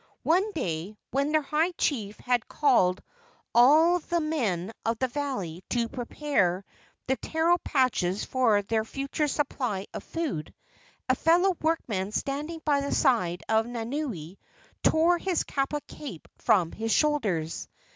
One day, when their high chief had called all the men of the valley to prepare THE SHARK MAN OF WAIPIO VALLEY 63 the taro patches for their future supply of food, a fellow workman standing by the side of Nanaue tore his kapa cape from his shoulders.